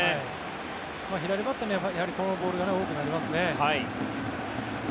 左バッターにはこのボールが多くなりますね。